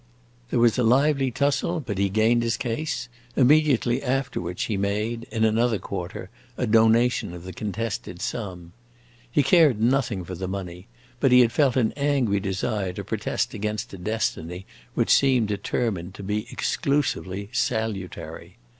There was a lively tussle, but he gained his case; immediately after which he made, in another quarter, a donation of the contested sum. He cared nothing for the money, but he had felt an angry desire to protest against a destiny which seemed determined to be exclusively salutary.